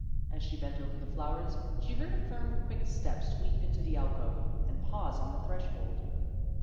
As she bent over the flowers, she heard a firm quick step sweep into the alcove and pause on the threshold.